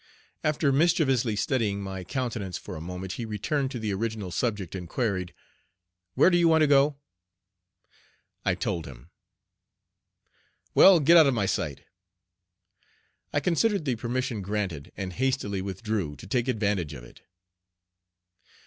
After mischievously studying my countenance for a moment, he returned to the original subject and queried, "Where do you want to go?" I told him. "Well, get out of my sight." I considered the permission granted, and hastily withdrew to take advantage of it.